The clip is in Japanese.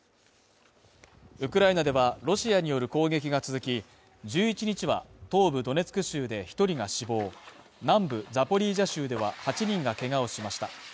ウクライナではロシアによる攻撃が続き、１１日は東部ドネツク州で１人が死亡、南部ザポリージャ州では８人がけがをしました。